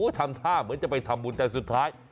ทำท่าเหมือนจะไปทำบุญแต่สุดท้าย